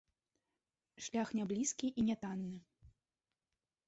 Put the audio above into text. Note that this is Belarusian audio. Шлях няблізкі і нятанны.